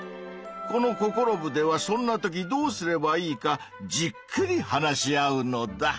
このココロ部ではそんなときどうすればいいかじっくり話し合うのだ。